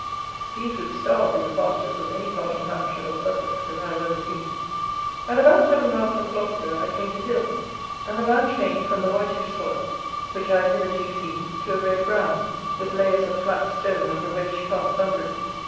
These would starve in the pastures of any part of Hampshire or Sussex that I have ever seen. At about seven miles from Gloucester I came to hills, and the land changed from the whitish soil, which I had hitherto seen, to a red brown, with layers of flat stone of a reddish cast under it.